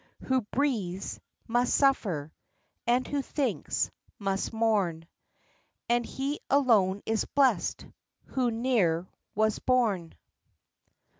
"Who breathes, must suffer, and who thinks, most mourn; And he alone is bless'd who ne'er was born."